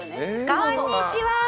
こんにちは！